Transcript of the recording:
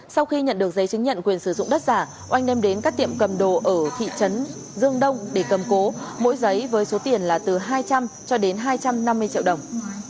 sau khi nhận được giấy chứng nhận quyền sử dụng đất giả oanh đem đến các tiệm cầm đồ ở thị trấn dương đông để cầm cố mỗi giấy với số tiền là từ hai trăm linh cho đến hai trăm năm mươi triệu đồng